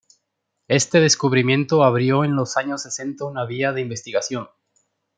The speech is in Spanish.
Este descubrimiento abrió en los años sesenta una vía de investigación.